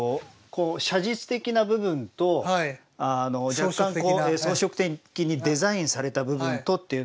こう写実的な部分と若干装飾的にデザインされた部分とっていうのがあるじゃないですか。